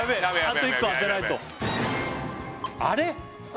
あと１個当てないとあれ？